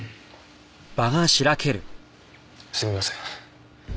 すみません。